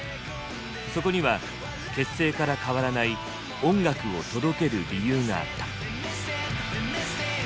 そこには結成から変わらない音楽を届ける理由があった。